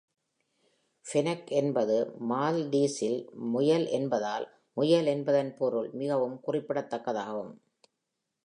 "Fenech" என்பது மால்டீஸில் முயல் என்பதால், "முயல்" என்பதன் பொருள் மிகவும் குறிப்பிடத்தக்கதாகும்.